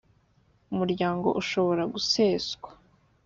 umuryango ushobora guseswa